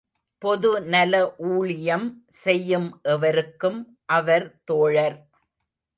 பொதுநல ஊழியம் செய்யும் எவருக்கும் அவர் தோழர்.